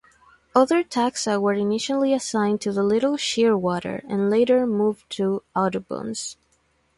Other taxa were initially assigned to the little shearwater and later moved to Audubon's.